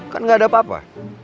kan gak ada apa apa